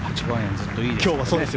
ずっといいですよね。